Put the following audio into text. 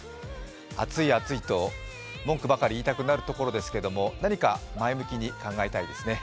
暑い暑いと文句ばかり言いたくなるところでしょうけど何か前向きに考えたいですね。